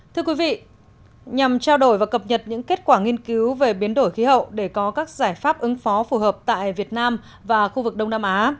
thưa quý vị nhằm trao đổi và cập nhật những kết quả nghiên cứu về biến đổi khí hậu để có các giải pháp ứng phó phù hợp tại việt nam và khu vực đông nam á